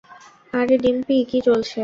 আরে ডিম্পি, কী চলছে?